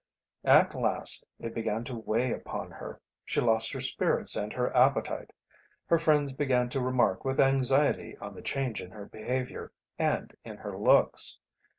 At last it began to weigh upon her. She lost her spirits and her appetite; her friends began to remark with anxiety on the change in her behaviour and in her looks.